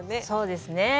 そうですね